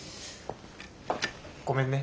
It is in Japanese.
ごめんね。